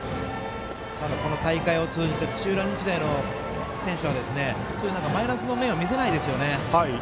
大会を通じて土浦日大の選手は、そういうマイナスの面を見せないですよね。